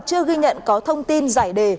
chưa ghi nhận có thông tin giải đề